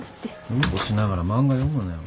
うんこしながら漫画読むなよ。